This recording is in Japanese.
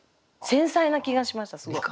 繊細な気がしましたすごい。